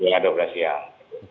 ya dua belas siang